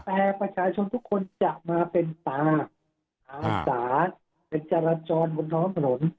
แต่ประชาชนทุกคนจะมาเป็นตาอาสาเป็นจราจรบนท้องถนน